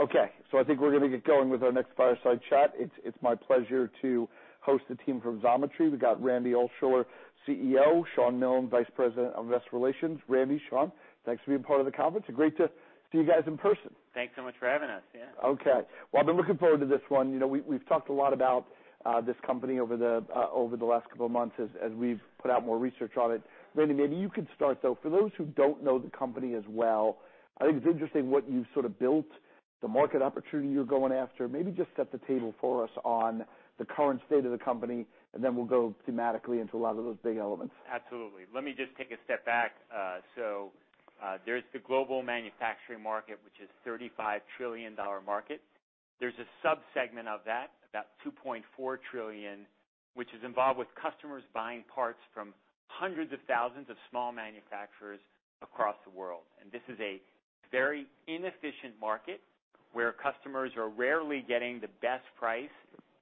Okay. I think we're gonna get going with our next fireside chat. It's my pleasure to host the team from Xometry. We've got Randy Altschuler, CEO, Shawn Milne, Vice President of Investor Relations. Randy, Shawn, thanks for being part of the conference. Great to see you guys in person. Thanks so much for having us. Yeah. Okay. Well, I've been looking forward to this one. You know, we've talked a lot about this company over the last couple of months as we've put out more research on it. Randy, maybe you could start, though. For those who don't know the company as well, I think it's interesting what you sort of built, the market opportunity you're going after. Maybe just set the table for us on the current state of the company, and then we'll go thematically into a lot of those big elements. Absolutely. Let me just take a step back. There's the global manufacturing market, which is $35 trillion dollar market. There's a sub-segment of that, about $2.4 trillion, which is involved with customers buying parts from hundreds of thousands of small manufacturers across the world. This is a very inefficient market where customers are rarely getting the best price,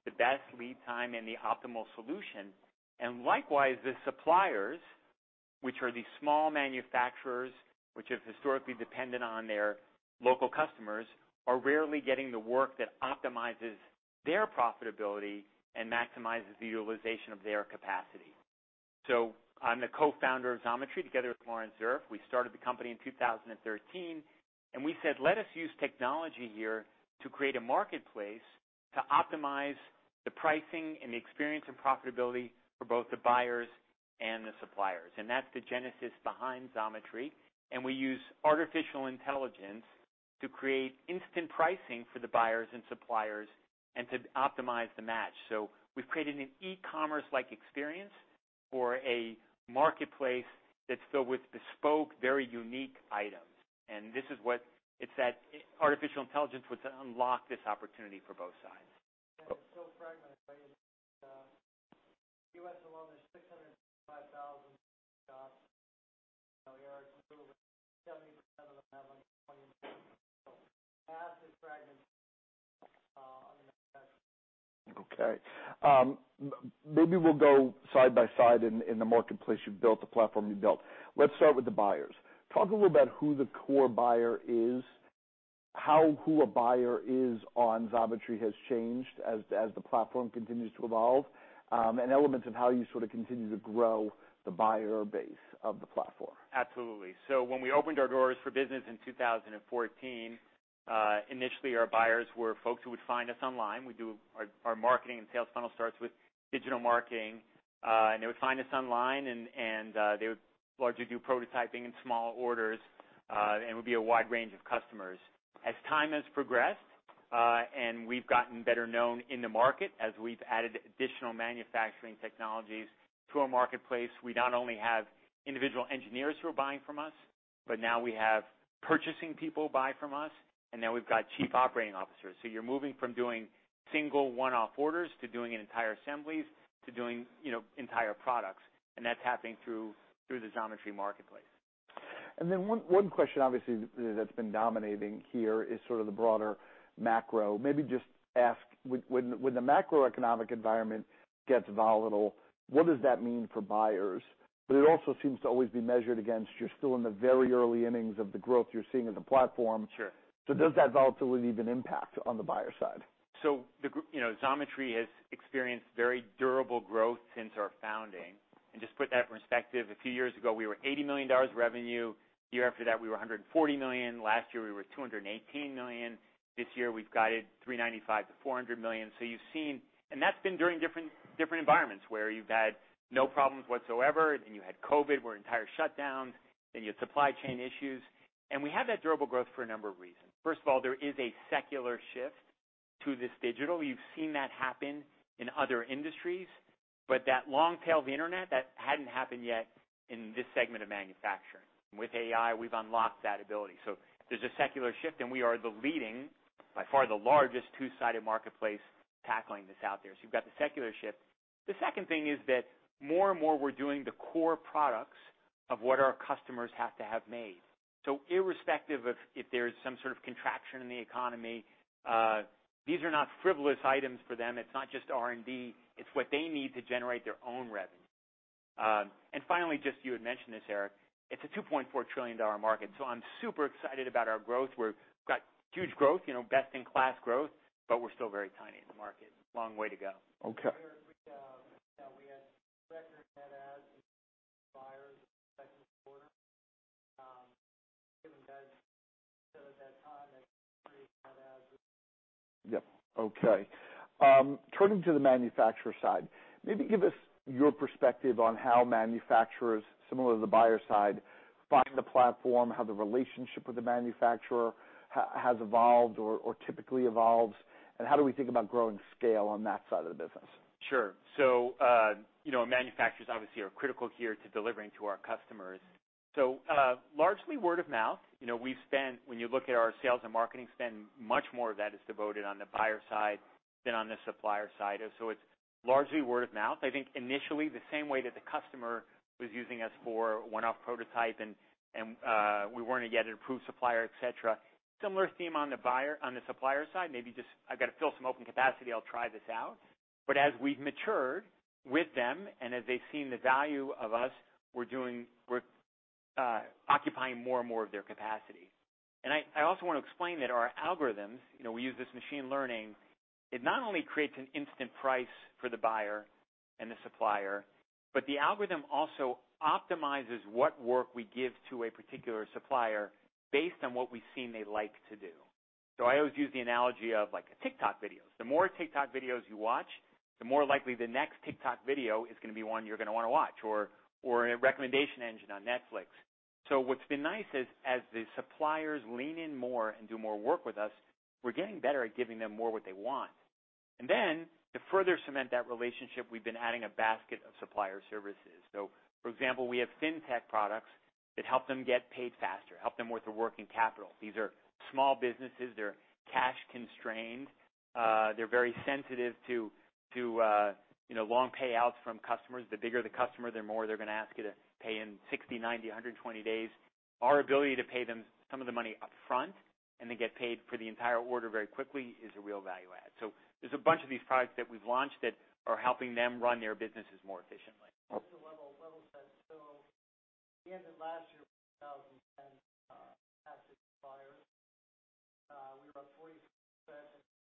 the best lead time, and the optimal solution. Likewise, the suppliers, which are these small manufacturers, which have historically depended on their local customers, are rarely getting the work that optimizes their profitability and maximizes the utilization of their capacity. I'm the co-founder of Xometry, together with Laurence Zuriff. We started the company in 2013, and we said, "Let us use technology here to create a marketplace to optimize the pricing and the experience and profitability for both the buyers and the suppliers." That's the genesis behind Xometry. We use artificial intelligence to create instant pricing for the buyers and suppliers and to optimize the match. We've created an e-commerce-like experience for a marketplace that's filled with bespoke, very unique items. This is what it is, that artificial intelligence which will unlock this opportunity for both sides. It's so fragmented, right? In the U.S. alone, there's 665,000 shops. You know, Eric, 70% of them have only 20 employees, so massive fragment on the manufacturer. Okay. Maybe we'll go side by side in the marketplace you've built, the platform you've built. Let's start with the buyers. Talk a little about who the core buyer is, how who a buyer is on Xometry has changed as the platform continues to evolve, and elements of how you sort of continue to grow the buyer base of the platform. Absolutely. When we opened our doors for business in 2014, initially our buyers were folks who would find us online. Our marketing and sales funnel starts with digital marketing. And they would find us online, and they would largely do prototyping in small orders, and it would be a wide range of customers. As time has progressed, and we've gotten better known in the market, as we've added additional manufacturing technologies to our marketplace, we not only have individual engineers who are buying from us, but now we have purchasing people buy from us, and now we've got chief operating officers. You're moving from doing single one-off orders to doing entire assemblies to doing, you know, entire products, and that's happening through the Xometry marketplace. One question obviously that's been dominating here is sort of the broader macro. Maybe just ask when the macroeconomic environment gets volatile, what does that mean for buyers? It also seems to always be measured against you're still in the very early innings of the growth you're seeing in the platform. Sure. Does that volatility have an impact on the buyer side? You know, Xometry has experienced very durable growth since our founding. Just put that in perspective, a few years ago, we were $80 million revenue. The year after that, we were $140 million. Last year, we were $218 million. This year, we've guided $395 million-$400 million. You've seen. That's been during different environments where you've had no problems whatsoever, and you had COVID, where entire shutdowns, then you had supply chain issues. We have that durable growth for a number of reasons. First of all, there is a secular shift to this digital. You've seen that happen in other industries, but that long tail of the internet, that hadn't happened yet in this segment of manufacturing. With AI, we've unlocked that ability. There's a secular shift, and we are the leading, by far the largest two-sided marketplace tackling this out there. You've got the secular shift. The second thing is that more and more we're doing the core products of what our customers have to have made. Irrespective of if there's some sort of contraction in the economy, these are not frivolous items for them. It's not just R&D. It's what they need to generate their own revenue. Finally, just you had mentioned this, Eric, it's a $2.4 trillion market, so I'm super excited about our growth. We've got huge growth, you know, best in class growth, but we're still very tiny in the market. Long way to go. Okay. Eric, we had record net adds with buyers second quarter. Given guidance, at that time, I think net adds was- Yeah. Okay. Turning to the manufacturer side, maybe give us your perspective on how manufacturers, similar to the buyer side, find the platform, how the relationship with the manufacturer has evolved or typically evolves, and how do we think about growing scale on that side of the business? Sure. You know, manufacturers obviously are critical here to delivering to our customers. Largely word of mouth. You know, we've spent, when you look at our sales and marketing spend, much more of that is devoted on the buyer side than on the supplier side. It's largely word of mouth. I think initially, the same way that the customer was using us for one-off prototype and we weren't yet an approved supplier, et cetera. Similar theme on the supplier side, maybe just I've got to fill some open capacity, I'll try this out. But as we've matured with them and as they've seen the value of us, we're occupying more and more of their capacity. I also wanna explain that our algorithms, you know, we use this machine learning. It not only creates an instant price for the buyer and the supplier, but the algorithm also optimizes what work we give to a particular supplier based on what we've seen they like to do. I always use the analogy of, like, TikTok videos. The more TikTok videos you watch, the more likely the next TikTok video is gonna be one you're gonna wanna watch or a recommendation engine on Netflix. What's been nice is, as the suppliers lean in more and do more work with us, we're getting better at giving them more what they want. Then to further cement that relationship, we've been adding a basket of supplier services. For example, we have fintech products that help them get paid faster, help them with their working capital. These are small businesses. They're cash constrained. They're very sensitive to, you know, long payouts from customers. The bigger the customer, the more they're gonna ask you to pay in 60, 90, 120 days. Our ability to pay them some of the money upfront and then get paid for the entire order very quickly is a real value add. There's a bunch of these products that we've launched that are helping them run their businesses more efficiently. Just a level set. We ended last year with 1,010 active buyers. We were up 40%.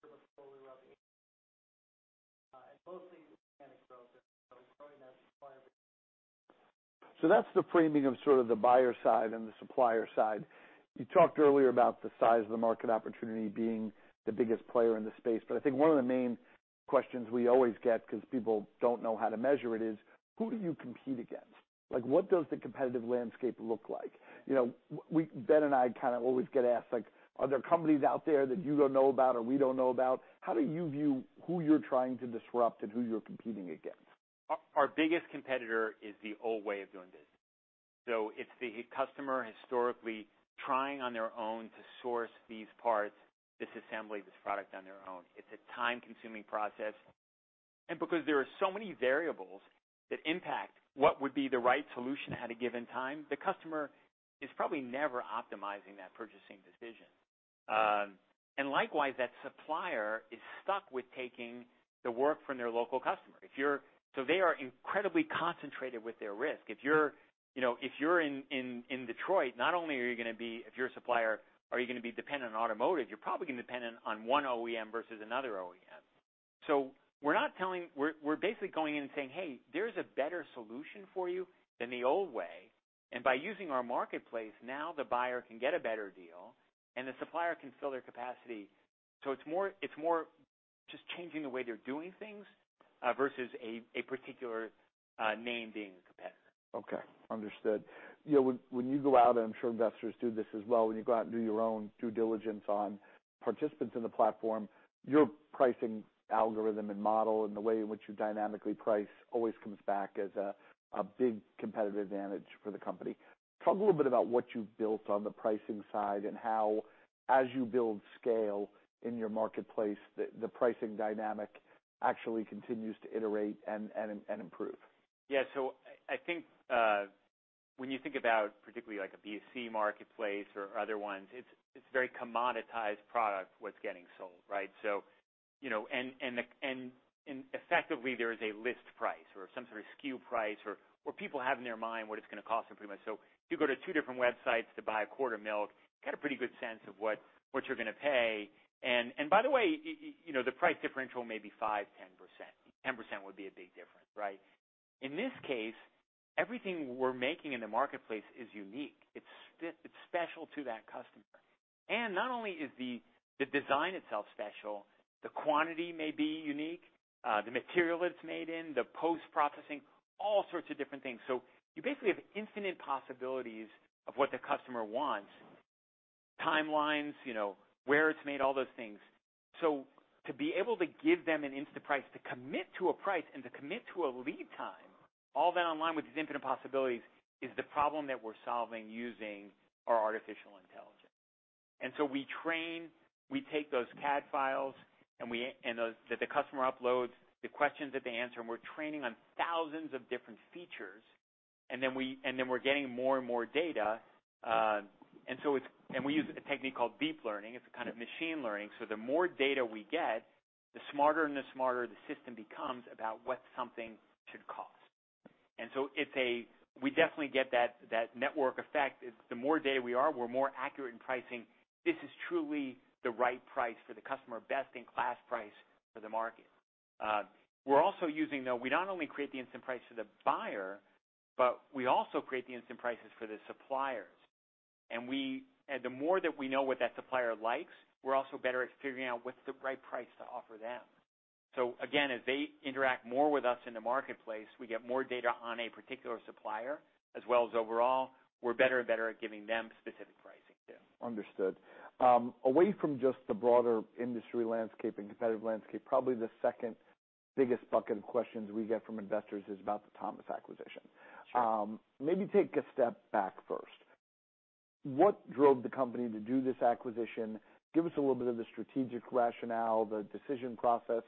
The year before we were up 80%. Mostly organic growth there. Growing that supplier base. That's the framing of sort of the buyer side and the supplier side. You talked earlier about the size of the market opportunity being the biggest player in the space, but I think one of the main questions we always get, 'cause people don't know how to measure it, is who do you compete against? Like, what does the competitive landscape look like? You know, Ben and I kind of always get asked like, are there companies out there that you don't know about or we don't know about? How do you view who you're trying to disrupt and who you're competing against? Our biggest competitor is the old way of doing business. It's the customer historically trying on their own to source these parts, to assemble this product on their own. It's a time-consuming process. Because there are so many variables that impact what would be the right solution at a given time, the customer is probably never optimizing that purchasing decision. Likewise, that supplier is stuck with taking the work from their local customer. They are incredibly concentrated with their risk. If you're, you know, if you're in Detroit, not only are you gonna be, if you're a supplier, dependent on automotive, you're probably gonna be dependent on one OEM versus another OEM. We're basically going in and saying, "Hey, there's a better solution for you than the old way. By using our marketplace, now the buyer can get a better deal and the supplier can fill their capacity." It's more just changing the way they're doing things versus a particular name being a competitor. Okay. Understood. You know, when you go out, I'm sure investors do this as well, when you go out and do your own due diligence on participants in the platform, your pricing algorithm and model and the way in which you dynamically price always comes back as a big competitive advantage for the company. Talk a little bit about what you've built on the pricing side and how, as you build scale in your marketplace, the pricing dynamic actually continues to iterate and improve. Yeah. I think when you think about particularly like a B2C marketplace or other ones, it's very commoditized product what's getting sold, right? You know, effectively, there is a list price or some sort of SKU price or people have in their mind what it's gonna cost them pretty much. If you go to two different websites to buy a quart of milk, you got a pretty good sense of what you're gonna pay. By the way, you know, the price differential may be 5-10%. 10% would be a big difference, right? In this case, everything we're making in the marketplace is unique. It's special to that customer. Not only is the design itself special, the quantity may be unique, the material it's made in, the post-processing, all sorts of different things. You basically have infinite possibilities of what the customer wants. Timelines, you know, where it's made, all those things. To be able to give them an instant price, to commit to a price and to commit to a lead time, all that online with these infinite possibilities, is the problem that we're solving using our artificial intelligence. We train, we take those CAD files, and that the customer uploads, the questions that they answer, and we're training on thousands of different features. We're getting more and more data. We use a technique called deep learning. It's a kind of machine learning. The more data we get, the smarter the system becomes about what something should cost. We definitely get that network effect. It's the more data we have, the more accurate we are in pricing. This is truly the right price for the customer, best in class price for the market. We not only create the instant price for the buyer, but we also create the instant prices for the suppliers. The more that we know what that supplier likes, we're also better at figuring out what's the right price to offer them. Again, as they interact more with us in the marketplace, we get more data on a particular supplier, as well as overall, we're better and better at giving them specific pricing too. Understood. Away from just the broader industry landscape and competitive landscape, probably the second biggest bucket of questions we get from investors is about the Thomas acquisition. Sure. Maybe take a step back first. What drove the company to do this acquisition? Give us a little bit of the strategic rationale, the decision process,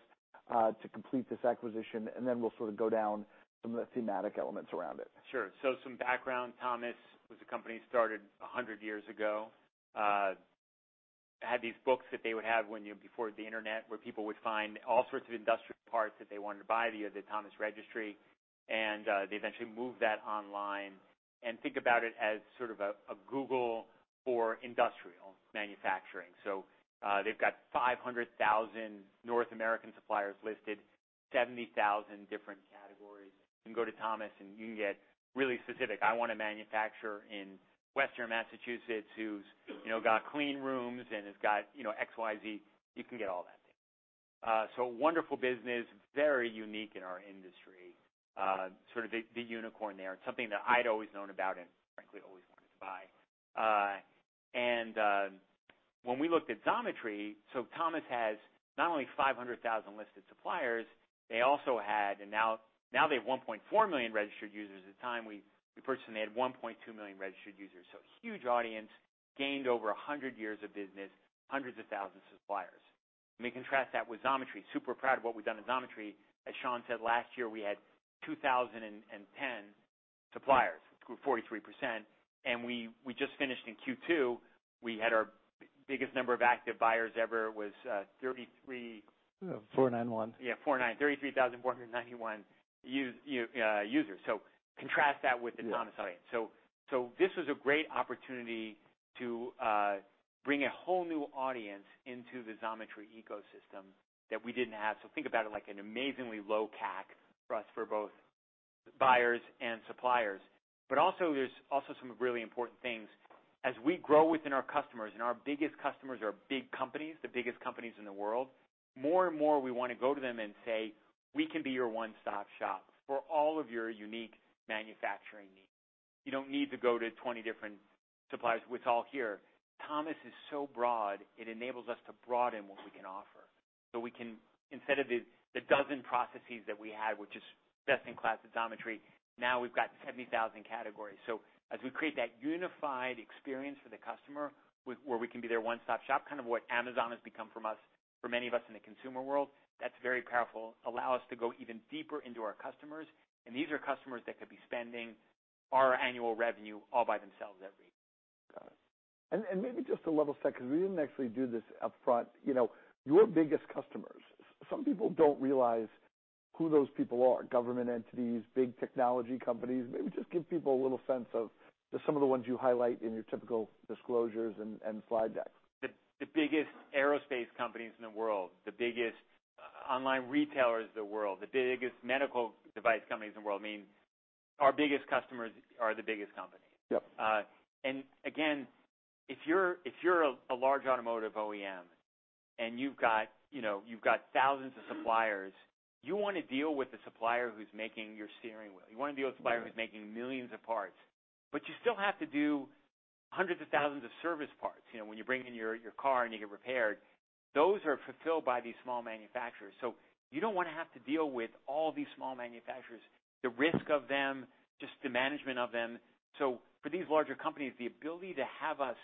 to complete this acquisition, and then we'll sort of go down some of the thematic elements around it. Sure. Some background. Thomas was a company started 100 years ago, had these books that they would have before the Internet, where people would find all sorts of industrial parts that they wanted to buy via the Thomas Register. They eventually moved that online. Think about it as sort of a Google for industrial manufacturing. They've got 500,000 North American suppliers listed, 70,000 different categories. You can go to Thomas, and you can get really specific. I want a manufacturer in Western Massachusetts who's, you know, got clean rooms and has got, you know, XYZ. You can get all that there. Wonderful business, very unique in our industry. Sort of the unicorn there. It's something that I'd always known about and frankly, always wanted to buy. When we looked at Xometry, Thomas has not only 500,000 listed suppliers, they also had and now they have 1.4 million registered users. At the time we purchased them, they had 1.2 million registered users. Huge audience, gained over 100 years of business, hundreds of thousands of suppliers. We contrast that with Xometry. Super proud of what we've done with Xometry. As Shawn said, last year, we had 2,010 suppliers, grew 43%. We just finished in Q2, we had our biggest number of active buyers ever was 33. 491. Yeah. 49. 33,491 users. Contrast that with. Yeah The Thomas audience. This was a great opportunity to bring a whole new audience into the Xometry ecosystem that we didn't have. Think about it like an amazingly low CAC for us for both buyers and suppliers. Also, there's also some really important things. As we grow within our customers, and our biggest customers are big companies, the biggest companies in the world, more and more we wanna go to them and say, "We can be your one-stop shop for all of your unique manufacturing needs. You don't need to go to 20 different suppliers. It's all here." Thomas is so broad, it enables us to broaden what we can offer. We can, instead of the dozen processes that we had, which is best in class at Xometry, now we've got 70,000 categories. As we create that unified experience for the customer where we can be their one-stop shop, kind of what Amazon has become for us, for many of us in the consumer world, that's very powerful. Allow us to go even deeper into our customers, and these are customers that could be spending our annual revenue all by themselves every year. Got it. Maybe just to level set, 'cause we didn't actually do this up front. You know, your biggest customers, some people don't realize who those people are, government entities, big technology companies. Maybe just give people a little sense of just some of the ones you highlight in your typical disclosures and slide decks. The biggest aerospace companies in the world, the biggest online retailers in the world, the biggest medical device companies in the world. I mean, our biggest customers are the biggest companies. Yep. If you're a large automotive OEM and you've got, you know, you've got thousands of suppliers, you want to deal with the supplier who's making your steering wheel. You want to deal with the supplier who's making millions of parts. You still have to do hundreds of thousands of service parts. You know, when you bring in your car and you get repaired, those are fulfilled by these small manufacturers. You don't want to have to deal with all these small manufacturers, the risk of them, just the management of them. For these larger companies, the ability to have us,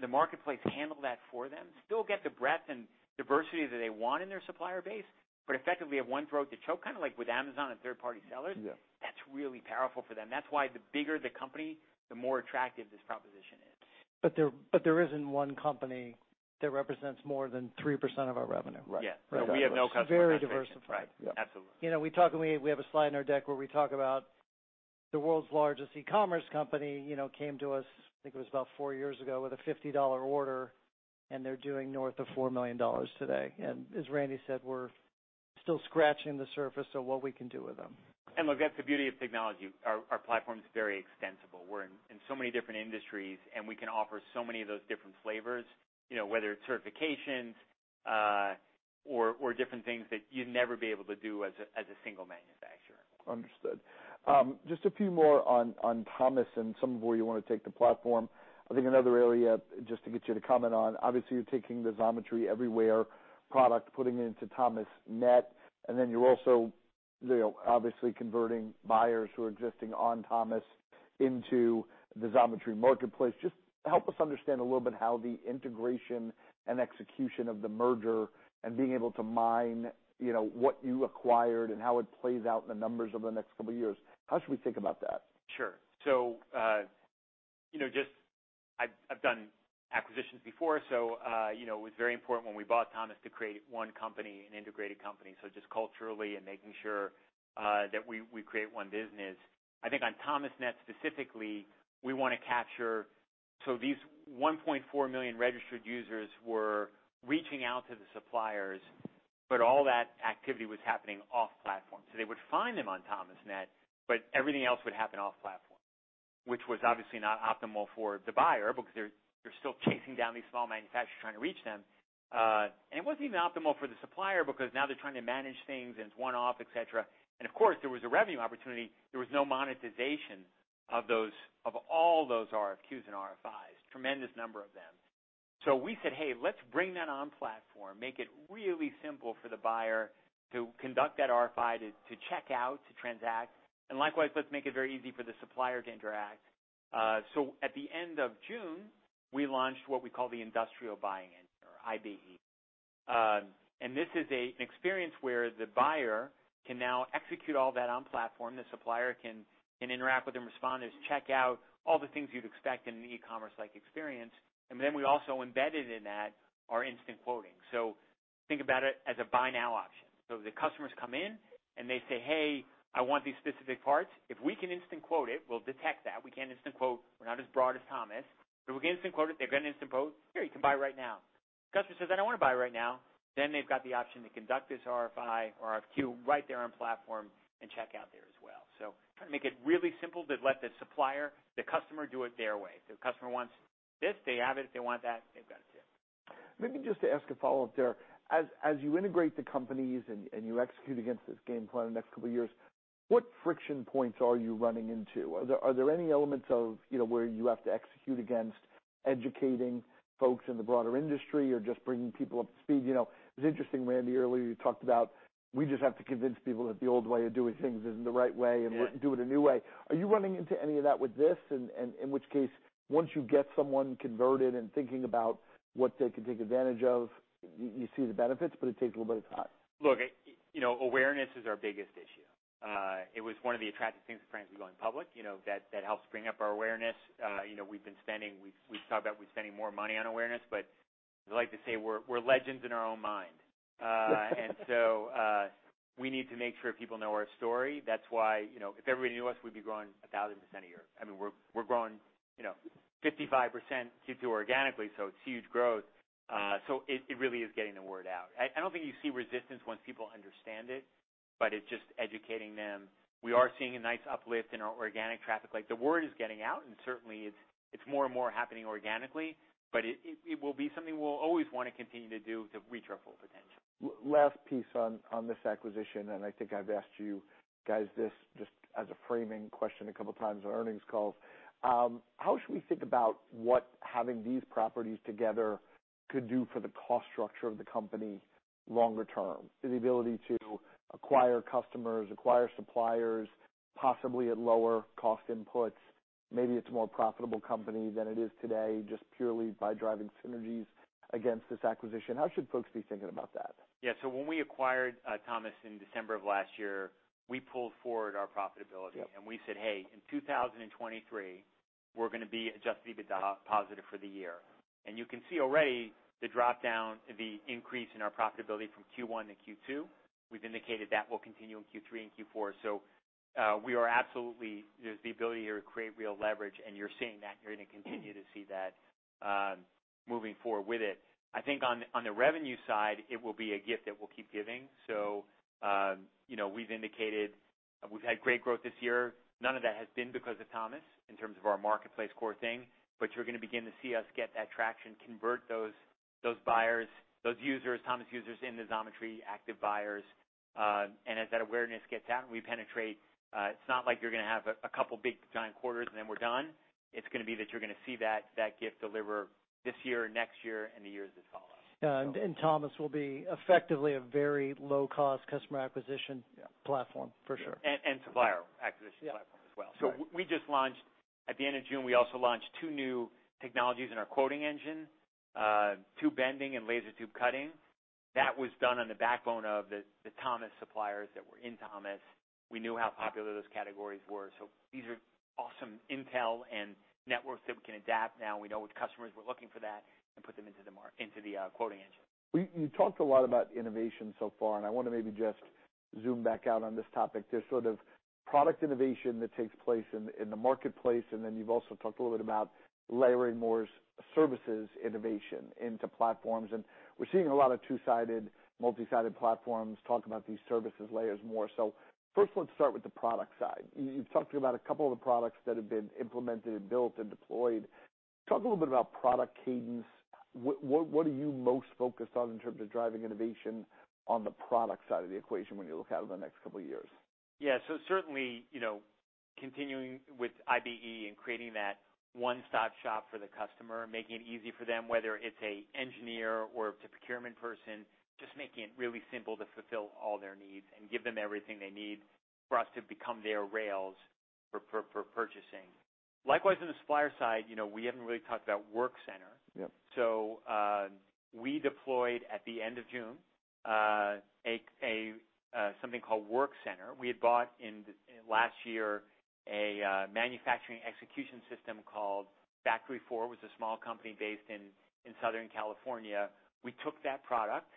the marketplace, handle that for them, still get the breadth and diversity that they want in their supplier base, but effectively have one throat to choke, kind of like with Amazon and third-party sellers. Yeah That's really powerful for them. That's why the bigger the company, the more attractive this proposition is. There isn't one company that represents more than 3% of our revenue. Right. Right. Yeah. We have no customer concentration. It's very diversified. Right. Absolutely. You know, we talk and we have a slide in our deck where we talk about the world's largest e-commerce company, you know, came to us, I think it was about four years ago, with a $50 order, and they're doing north of $4 million today. As Randy said, we're still scratching the surface of what we can do with them. Look, that's the beauty of technology. Our platform's very extensible. We're in so many different industries, and we can offer so many of those different flavors, you know, whether it's certifications, or different things that you'd never be able to do as a single manufacturer. Understood. Just a few more on Thomasnet and some of where you wanna take the platform. I think another area just to get you to comment on, obviously you're taking the Xometry Everywhere product, putting it into Thomasnet, and then you're also, you know, obviously converting buyers who are existing on Thomasnet into the Xometry marketplace. Just help us understand a little bit how the integration and execution of the merger and being able to mine, you know, what you acquired and how it plays out in the numbers over the next couple of years. How should we think about that? Sure. You know, just I've done acquisitions before. You know, it was very important when we bought Thomas to create one company, an integrated company. Just culturally and making sure that we create one business. I think on Thomasnet specifically, we want to capture. These 1.4 million registered users were reaching out to the suppliers, but all that activity was happening off platform. They would find them on Thomasnet, but everything else would happen off platform, which was obviously not optimal for the buyer because they're still chasing down these small manufacturers trying to reach them. It wasn't even optimal for the supplier because now they're trying to manage things, and it's one-off, et cetera. Of course, there was a revenue opportunity. There was no monetization of those, of all those RFQs and RFIs. Tremendous number of them. We said, "Hey, let's bring that on platform, make it really simple for the buyer to conduct that RFI, to check out, to transact. And likewise, let's make it very easy for the supplier to interact." At the end of June, we launched what we call the industrial buying engine, IBE, and this is an experience where the buyer can now execute all that on platform. The supplier can interact with them, respond, there's checkout, all the things you'd expect in an e-commerce-like experience. We also embedded in that our instant quoting. Think about it as a buy now option. The customers come in and they say, "Hey, I want these specific parts." If we can instant quote it, we'll detect that. We can't instant quote. We're not as broad as Thomas. If we can instant quote it, they're gonna instant quote, "Here, you can buy right now." Customer says, "I don't wanna buy right now," then they've got the option to conduct this RFI or RFQ right there on platform and check out there as well. Trying to make it really simple to let the supplier, the customer do it their way. If the customer wants this, they have it. If they want that, they've got it too. Maybe just to ask a follow-up there. As you integrate the companies and you execute against this game plan in the next couple of years, what friction points are you running into? Are there any elements of, you know, where you have to execute against educating folks in the broader industry or just bringing people up to speed? You know, it was interesting, Randy, earlier, you talked about, we just have to convince people that the old way of doing things isn't the right way. Yeah We're doing a new way. Are you running into any of that with this? In which case, once you get someone converted and thinking about what they can take advantage of, you see the benefits, but it takes a little bit of time. Look, you know, awareness is our biggest issue. It was one of the attractive things, frankly, going public, you know, that helps bring up our awareness. You know, we've talked about we're spending more money on awareness, but I like to say we're legends in our own mind. We need to make sure people know our story. That's why, you know, if everybody knew us, we'd be growing 1,000% a year. I mean, we're growing, you know, 55% Q2 organically, so it's huge growth. It really is getting the word out. I don't think you see resistance once people understand it, but it's just educating them. We are seeing a nice uplift in our organic traffic. Like, the word is getting out, and certainly it's more and more happening organically, but it will be something we'll always wanna continue to do to reach our full potential. Last piece on this acquisition, and I think I've asked you guys this just as a framing question a couple times on earnings calls. How should we think about what having these properties together could do for the cost structure of the company longer term? The ability to acquire customers, acquire suppliers, possibly at lower cost inputs. Maybe it's a more profitable company than it is today, just purely by driving synergies against this acquisition. How should folks be thinking about that? When we acquired Thomas in December of last year, we pulled forward our profitability. Yep. We said, "Hey, in 2023, we're gonna be adjusted EBITDA positive for the year." You can see already the drawdown, the increase in our profitability from Q1 to Q2. We've indicated that will continue in Q3 and Q4. We are absolutely. There's the ability here to create real leverage, and you're seeing that and you're gonna continue to see that, moving forward with it. I think on the revenue side, it will be a gift that will keep giving. You know, we've indicated we've had great growth this year. None of that has been because of Thomas in terms of our marketplace core thing, but you're gonna begin to see us get that traction, convert those buyers, those users, Thomas users, into Xometry active buyers. As that awareness gets out and we penetrate, it's not like you're gonna have a couple big giant quarters, and then we're done. It's gonna be that you're gonna see that gift deliver this year, next year, and the years that follow. Thomas will be effectively a very low-cost customer acquisition- Yeah platform for sure. Supplier acquisition platform as well. Yeah. Right. We just launched at the end of June. We also launched two new technologies in our quoting engine, tube bending and laser tube cutting. That was done on the backbone of the Thomas suppliers that were in Thomas. We knew how popular those categories were. These are awesome intel and networks that we can adapt. Now we know which customers were looking for that, and put them into the quoting engine. You talked a lot about innovation so far, and I wanna maybe just zoom back out on this topic. There's sort of product innovation that takes place in the marketplace, and then you've also talked a little bit about layering more services innovation into platforms. We're seeing a lot of two-sided, multi-sided platforms talk about these services layers more. First, let's start with the product side. You've talked about a couple of the products that have been implemented and built and deployed. Talk a little bit about product cadence. What are you most focused on in terms of driving innovation on the product side of the equation when you look out over the next couple of years? Yeah. Certainly, you know, continuing with IBE and creating that one-stop shop for the customer, making it easy for them, whether it's a engineer or it's a procurement person, just making it really simple to fulfill all their needs and give them everything they need for us to become their rails for purchasing. Likewise, on the supplier side, you know, we haven't really talked about Workcenter. Yep. We deployed at the end of June something called Workcenter. We had bought last year a manufacturing execution system called FactoryFour. It was a small company based in Southern California. We took that product,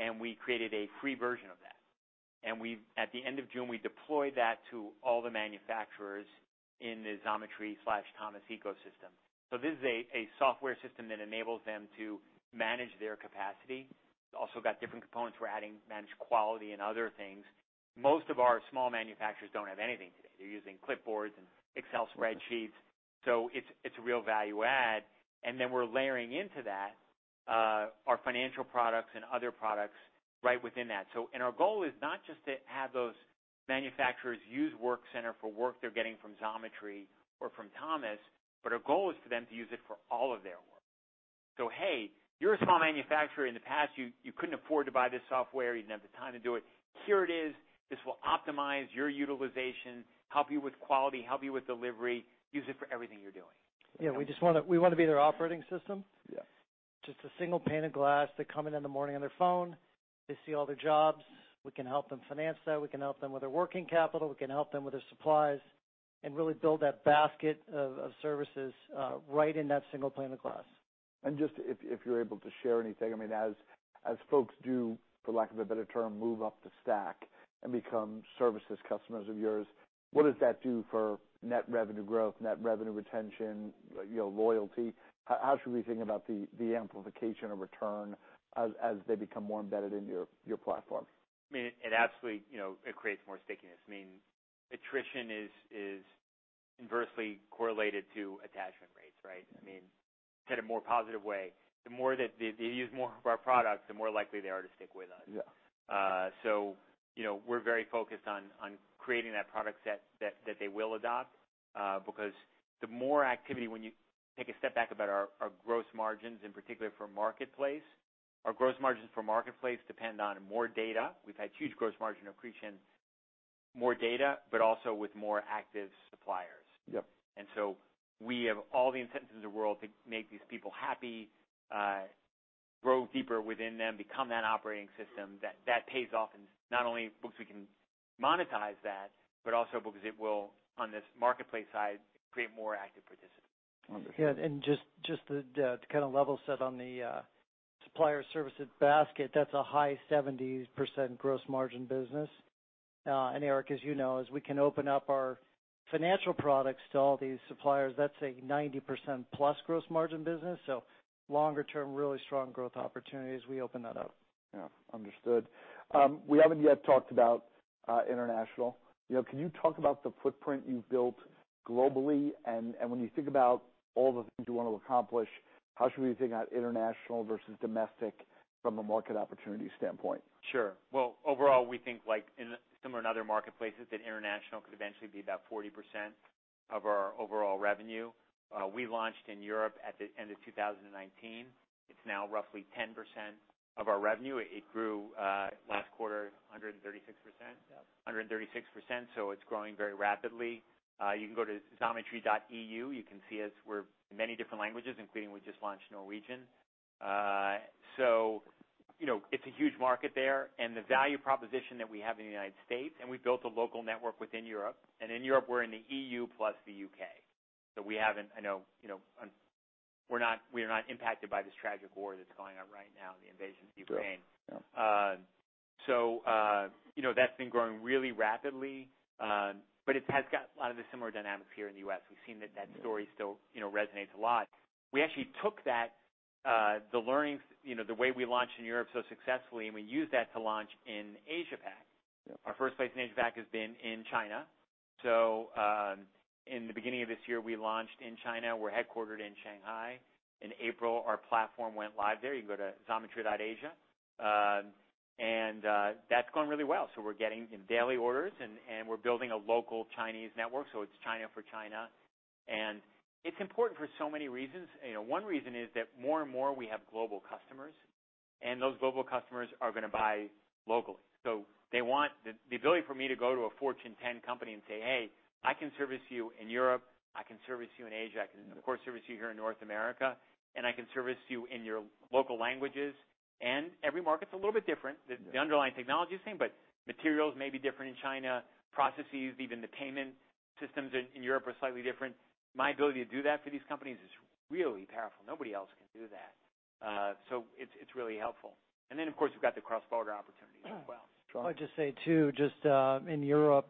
and at the end of June, we deployed that to all the manufacturers in the Xometry/Thomas ecosystem. This is a software system that enables them to manage their capacity. It's also got different components. We're adding managed quality and other things. Most of our small manufacturers don't have anything today. They're using clipboards and Excel spreadsheets, so it's a real value add. We're layering into that our financial products and other products right within that. Our goal is not just to have those manufacturers use Workcenter for work they're getting from Xometry or from Thomas, but our goal is for them to use it for all of their work. Hey, you're a small manufacturer. In the past, you couldn't afford to buy this software. You didn't have the time to do it. Here it is. This will optimize your utilization, help you with quality, help you with delivery. Use it for everything you're doing. Yeah, we just wanna be their operating system. Yeah. Just a single pane of glass. They come in in the morning on their phone, they see all their jobs. We can help them finance that. We can help them with their working capital. We can help them with their supplies and really build that basket of services right in that single pane of glass. Just if you're able to share anything, I mean, as folks do, for lack of a better term, move up the stack and become services customers of yours, what does that do for net revenue growth, net revenue retention, you know, loyalty? How should we think about the amplification of return as they become more embedded in your platform? I mean, it absolutely, you know, it creates more stickiness. I mean, attrition is inversely correlated to attachment rates, right? I mean, said a more positive way, the more that they use more of our products, the more likely they are to stick with us. Yeah. You know, we're very focused on creating that product set that they will adopt because the more activity when you take a step back about our gross margins in particular for Marketplace, our gross margins for Marketplace depend on more data. We've had huge gross margin accretion, more data, but also with more active suppliers. Yep. We have all the incentives in the world to make these people happy, grow deeper within them, become that operating system that pays off not only because we can monetize that, but also because it will, on this Marketplace side, create more active participants. Wonderful. Yeah, just to kinda level set on the supplier services basket, that's a high 70% gross margin business. Eric, as you know, as we can open up our financial products to all these suppliers, that's a 90%+ gross margin business. Longer term, really strong growth opportunities, we open that up. Yeah. Understood. We haven't yet talked about international. You know, can you talk about the footprint you've built globally? When you think about all the things you wanna accomplish, how should we think about international versus domestic from a market opportunity standpoint? Sure. Well, overall, we think, like, it's similar in other marketplaces that international could eventually be about 40% of our overall revenue. We launched in Europe at the end of 2019. It's now roughly 10% of our revenue. It grew last quarter 136%. Yeah. 136%, so it's growing very rapidly. You can go to Xometry.eu. You can see us. We're in many different languages, including we just launched Norwegian. So, you know, it's a huge market there. The value proposition that we have in the United States, and we've built a local network within Europe, and in Europe, we're in the E.U. plus the U.K. You know, we're not impacted by this tragic war that's going on right now, the invasion of Ukraine. Sure. Yeah. You know, that's been growing really rapidly, but it has got a lot of the similar dynamics here in the U.S. We've seen that story still, you know, resonates a lot. We actually took that, the learnings, you know, the way we launched in Europe so successfully, and we used that to launch in Asia-Pac. Yep. Our first place in Asia-Pac has been in China. In the beginning of this year, we launched in China. We're headquartered in Shanghai. In April, our platform went live there. You can go to Xometry.asia. That's going really well. We're getting daily orders and we're building a local Chinese network, so it's China for China. It's important for so many reasons. You know, one reason is that more and more we have global customers, and those global customers are gonna buy locally. They want the ability for me to go to a Fortune 10 company and say, "Hey, I can service you in Europe. I can service you in Asia. I can, of course, service you here in North America, and I can service you in your local languages." Every market's a little bit different. The underlying technology is the same, but materials may be different in China. Processes, even the payment systems in Europe are slightly different. My ability to do that for these companies is really powerful. Nobody else can do that. It's really helpful. Of course, we've got the cross-border opportunities as well. Yeah. Strong. I'll just say too, just, in Europe,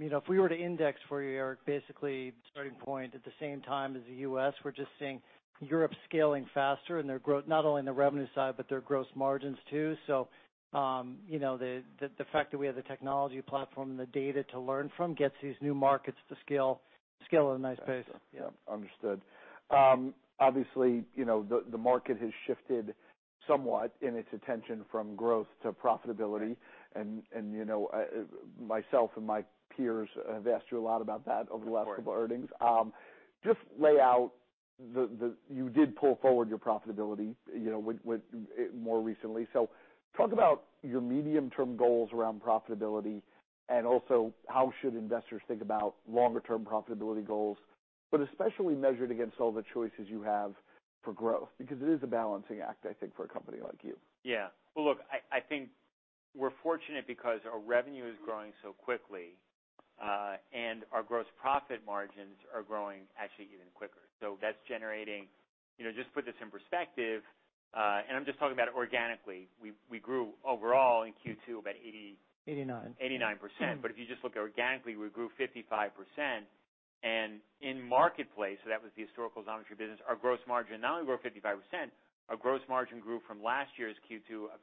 you know, if we were to index for you, Eric, basically starting point at the same time as the U.S., we're just seeing Europe scaling faster in their growth, not only in the revenue side, but their gross margins too. You know, the fact that we have the technology platform and the data to learn from gets these new markets to scale at a nice pace. Yeah. Understood. Obviously, you know, the market has shifted somewhat in its attention from growth to profitability. Right. You know, myself and my peers have asked you a lot about that over the last couple earnings. Of course. You did pull forward your profitability, you know, with more recently. Talk about your medium-term goals around profitability, and also how should investors think about longer term profitability goals, but especially measured against all the choices you have for growth, because it is a balancing act, I think, for a company like you. Yeah. Well, look, I think we're fortunate because our revenue is growing so quickly, and our gross profit margins are growing actually even quicker. That's generating. You know, just put this in perspective, and I'm just talking about it organically. We grew overall in Q2 about 80%- Eighty-nine. 89%. If you just look organically, we grew 55%. In Marketplace, so that was the historical Xometry business, our gross margin not only grew 55%, our gross margin grew from last year's Q2 of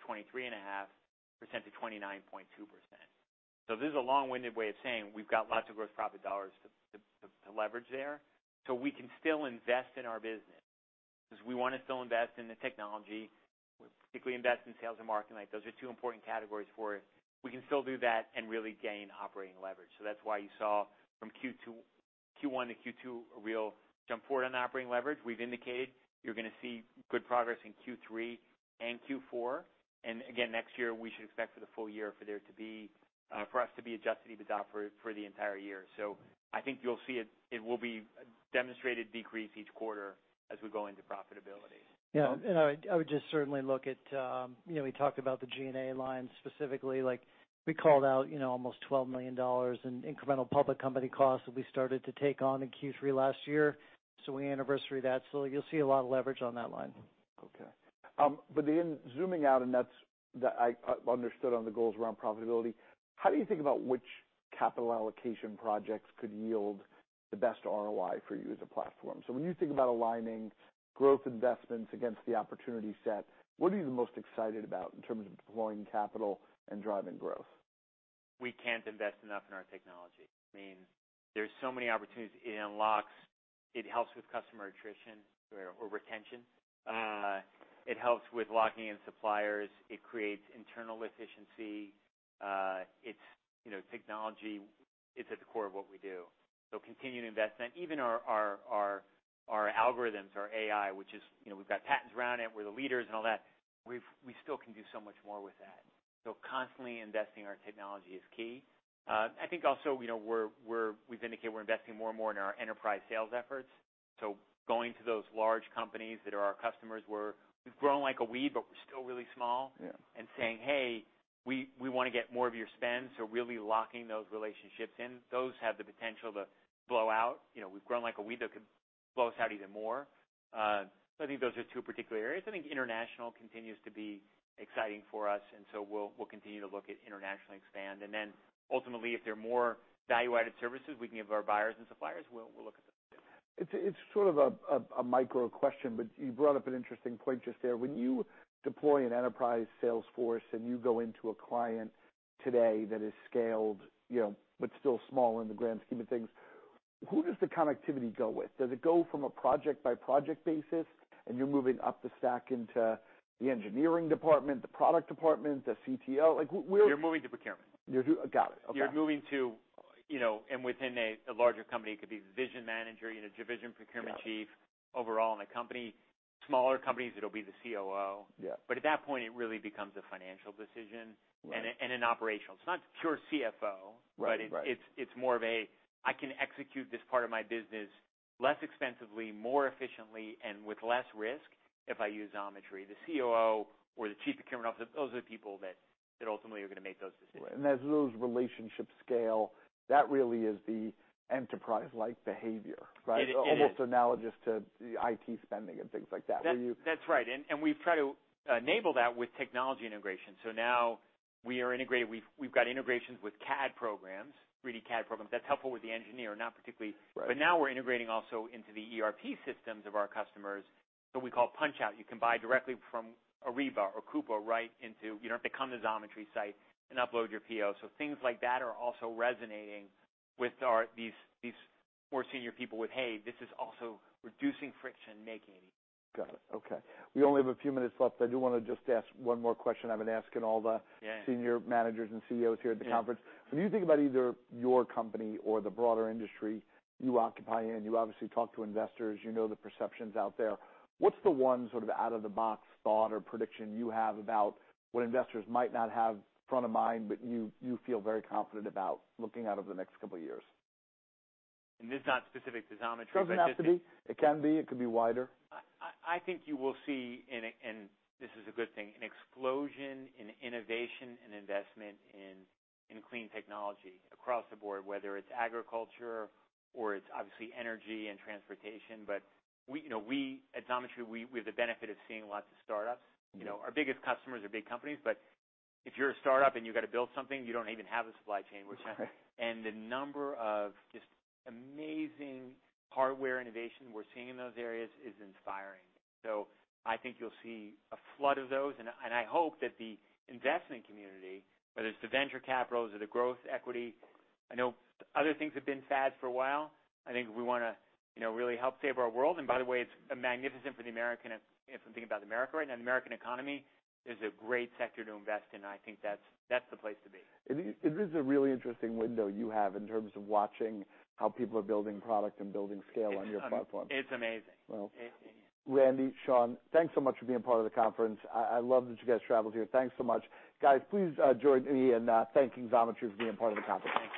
23.5% to 29.2%. This is a long-winded way of saying we've got lots of gross profit dollars to leverage there, so we can still invest in our business 'cause we wanna still invest in the technology. We particularly invest in sales and marketing. Those are two important categories for it. We can still do that and really gain operating leverage. That's why you saw from Q2-Q1 to Q2, we'll jump forward on operating leverage. We've indicated you're gonna see good progress in Q3 and Q4. Next year we should expect for the full year for us to be adjusted EBITDA for the entire year. I think you'll see it. It will be demonstrated decrease each quarter as we go into profitability. I would just certainly look at, you know, we talked about the G&A line specifically, like we called out, you know, almost $12 million in incremental public company costs that we started to take on in Q3 last year. We anniversary that, so you'll see a lot of leverage on that line. Okay. Zooming out and that I understood on the goals around profitability, how do you think about which capital allocation projects could yield the best ROI for you as a platform? When you think about aligning growth investments against the opportunity set, what are you the most excited about in terms of deploying capital and driving growth? We can't invest enough in our technology. I mean, there's so many opportunities. It unlocks. It helps with customer attrition or retention. It helps with locking in suppliers. It creates internal efficiency. It's, you know, technology, it's at the core of what we do. Continuing investment. Even our algorithms, our AI, which is, you know, we've got patents around it. We're the leaders and all that. We still can do so much more with that. Constantly investing in our technology is key. I think also, you know, we've indicated we're investing more and more in our enterprise sales efforts. Going to those large companies that are our customers, we've grown like a weed, but we're still really small. Yeah. Saying, "Hey, we wanna get more of your spend." Really locking those relationships in. Those have the potential to blow out. You know, we've grown like a weed that could blow us out even more. I think those are two particular areas. I think international continues to be exciting for us, and so we'll continue to look at international expansion. Ultimately, if there are more value-added services we can give our buyers and suppliers, we'll look at those too. It's sort of a micro question, but you brought up an interesting point just there. When you deploy an enterprise sales force and you go into a client today that is scaled, you know, but still small in the grand scheme of things, who does the connectivity go with? Does it go from a project-by-project basis and you're moving up the stack into the engineering department, the product department, the CTO? Like where? You're moving to procurement. You're who? Got it. Okay. You're moving to, you know, and within a larger company, it could be division manager, you know, division procurement chief. Got it. Overall in a company. Smaller companies, it'll be the COO. Yeah. At that point, it really becomes a financial decision. Right. It's not pure CFO. Right. Right. It's more of a, I can execute this part of my business less expensively, more efficiently, and with less risk if I use Xometry. The COO or the chief procurement officer, those are the people that ultimately are gonna make those decisions. As those relationships scale, that really is the enterprise-like behavior, right? It is. Almost analogous to IT spending and things like that, where you. That's right. We've tried to enable that with technology integration. Now we are integrated. We've got integrations with CAD programs, 3D CAD programs. That's helpful with the engineer, not particularly. Right. Now we're integrating also into the ERP systems of our customers, what we call PunchOut. You can buy directly from Ariba or Coupa right into. You don't have to come to the Xometry site and upload your PO. Things like that are also resonating with our these more senior people with hey, this is also reducing friction, making it easy. Got it. Okay. We only have a few minutes left. I do wanna just ask one more question I've been asking all the. Yeah. Senior managers and CEOs here at the conference. When you think about either your company or the broader industry you occupy in, you obviously talk to investors, you know the perceptions out there. What's the one sort of out-of-the-box thought or prediction you have about what investors might not have front of mind, but you feel very confident about looking out over the next couple of years? This is not specific to Xometry, but just. Doesn't have to be. It can be. It could be wider. I think you will see, and this is a good thing, an explosion in innovation and investment in clean technology across the board, whether it's agriculture or it's obviously energy and transportation. We, you know, we at Xometry have the benefit of seeing lots of startups. Mm-hmm. You know, our biggest customers are big companies, but if you're a startup and you've got to build something, you don't even have a supply chain. Right. The number of just amazing hardware innovation we're seeing in those areas is inspiring. I think you'll see a flood of those, and I hope that the investment community, whether it's the venture capitals or the growth equity, I know other things have been fads for a while. I think we wanna, you know, really help save our world. By the way, it's magnificent for the American. If I'm thinking about America right now, the American economy is a great sector to invest in. I think that's the place to be. It is a really interesting window you have in terms of watching how people are building product and building scale on your platform. It's amazing. Well, Randy, Sean, thanks so much for being part of the conference. I love that you guys traveled here. Thanks so much. Guys, please join me in thanking Xometry for being part of the conference.